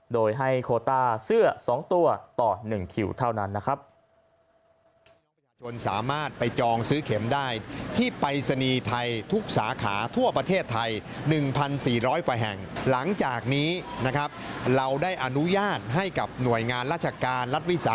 โดยให้โคต้าเสื้อ๒ตัวต่อ๑คิวเท่านั้นนะครับ